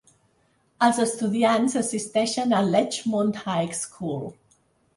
Els estudiants assisteixen a l'Edgemont High School.